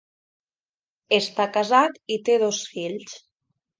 Està casat i té dos fills.